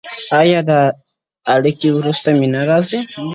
• هغه د هغو ټولو نجونو استازيتوب کوي چي ظلمونو لاندي ژوند کوي..